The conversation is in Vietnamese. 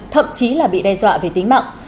thậm chí là bị đe dọa về tính mạng